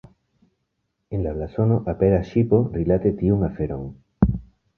En la blazono aperas ŝipo rilate tiun aferon.